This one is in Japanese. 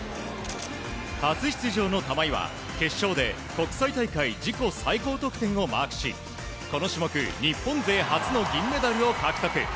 初出場の玉井は決勝で国際大会自己最高得点をマークしこの種目、日本勢初の銀メダルを獲得。